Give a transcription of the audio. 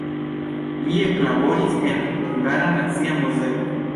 Li eklaboris en Hungara Nacia Muzeo.